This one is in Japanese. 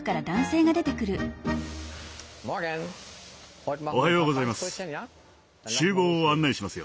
おはようございます。